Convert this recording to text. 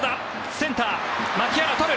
センター、牧原とる。